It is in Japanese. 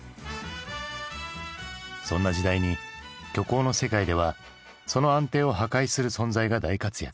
そんな時代に虚構の世界ではその安定を破壊する存在が大活躍。